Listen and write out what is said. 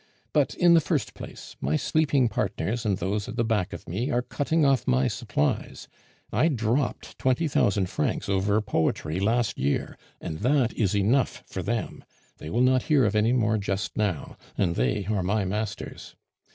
But in the first place, my sleeping partners and those at the back of me are cutting off my supplies; I dropped twenty thousand francs over poetry last year, and that is enough for them; they will not hear of any more just now, and they are my masters.